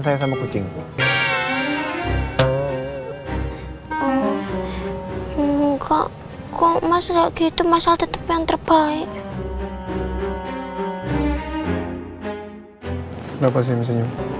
saya sama kucing enggak kok masih lagi itu masalah tetap yang terbaik enggak pasti